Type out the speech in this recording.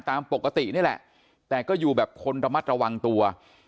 ตามปกตินี่แหละแต่ก็อยู่แบบคนระมัดระวังตัว